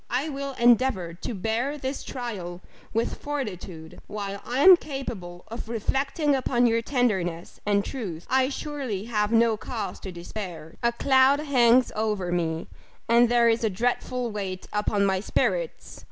I will endeavour to bear this trial with fortitude while I am capable of reflecting upon your tenderness and truth, I surely have no cause to despair a cloud hangs over me, and there is a dreadful weight upon my spirits!